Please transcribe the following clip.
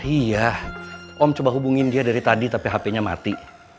iya om coba hubungin dia dari tadi tapi hp nya mati